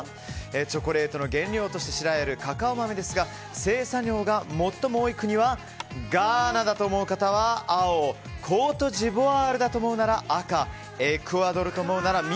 チョコレートの原料として知られるカカオ豆ですが生産量が最も多い国はガーナだと思う方は青コートジボワールだと思うなら赤エクアドルと思うなら緑。